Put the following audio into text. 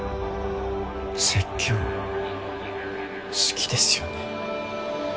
説教好きですよね？